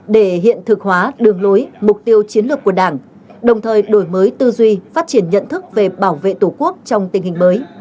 để hiện thực hóa đường lối mục tiêu chiến lược của đảng đồng thời đổi mới tư duy phát triển nhận thức về bảo vệ tổ quốc trong tình hình mới